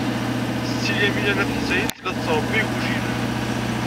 Setti Lyamina n At Ḥsayen tella tettṛebbi igujilen.